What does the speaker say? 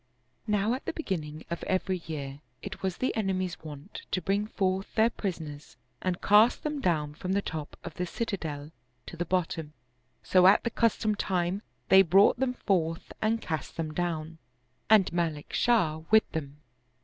Now at the be ginning of every year it was the enemy's wont to bring forth their prisoners and cast them down from the top of 7^ Oriental Mystery Stories the citadel to the bottom; so at the customed time they brought them forth and cast them down, and Malik Shah with them.